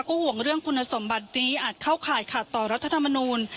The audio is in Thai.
ก็ห่วงเรื่องคุณสมบัตินี้อาจเข้าข่ายขาดต่อรัฐธรรมนูล